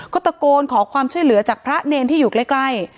ก็ตะโกนขอความช่วยเหลือจากพระเนรที่อยู่ใกล้